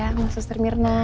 sama suster mirna